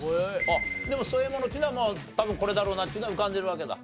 あっでも添え物っていうのは多分これだろうなっていうのは浮かんでるわけだ。